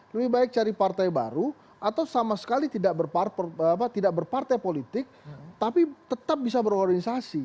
lebih baik cari partai baru atau sama sekali tidak berpartai politik tapi tetap bisa berorganisasi